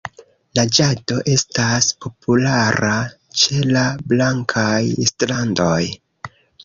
Naĝado estas populara ĉe la blankaj strandoj.